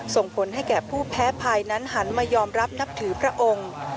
ส่งผลให้แก่ผู้แพ้ภายนั้นหันมายอมรับนับถือพระองค์